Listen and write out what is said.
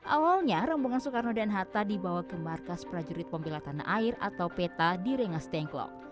awalnya rombongan soekarno dan hatta dibawa ke markas prajurit pembela tanah air atau peta di rengas dengklok